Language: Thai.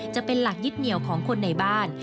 จะเป็นหลักยึดเหนียวของคนในบ้าน